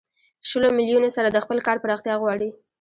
شلو میلیونو سره د خپل کار پراختیا غواړي